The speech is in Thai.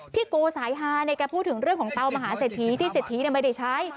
พี่โกสายฮาเนี่ยแกพูดถึงเรื่องของเตามหาเศรษฐีที่เศรษฐีไม่ได้ใช้